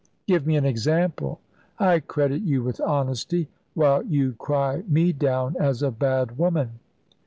"Give me an example." "I credit you with honesty, while you cry me down as a bad woman."